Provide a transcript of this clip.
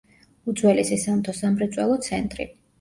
უძველესი სამთო-სამრეწველო ცენტრი.